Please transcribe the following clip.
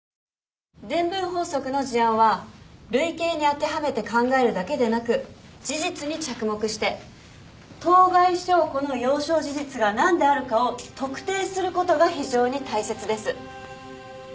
伝聞法則の事案は類型に当てはめて考えるだけでなく事実に着目して当該証拠の要証事実が何であるかを特定することが非常に大切です。